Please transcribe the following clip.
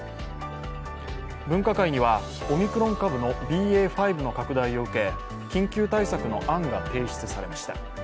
分科会にはオミクロン株のＢＡ．５の拡大を受け緊急対策の案が提出されました。